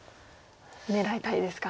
狙いたいですか。